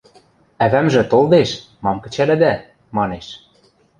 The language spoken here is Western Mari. – Ӓвӓмжӹ толдеш, мам кӹчӓлӹдӓ? – манеш.